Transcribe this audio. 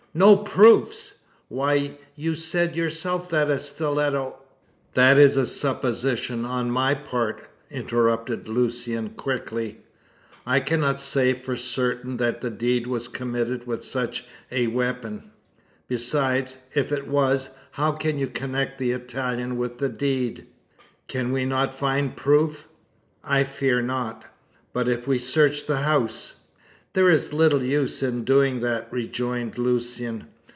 "No proofs! Why, you said yourself that a stiletto " "That is a supposition on my part," interrupted Lucian quickly. "I cannot say for certain that the deed was committed with such a weapon. Besides, if it was, how can you connect the Italian with the deed?" "Can we not find a proof?" "I fear not." "But if we search the house?" "There is little use in doing that," rejoined Lucian.